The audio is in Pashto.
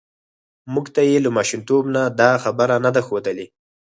موږ ته یې له ماشومتوب نه دا خبره نه ده ښودلې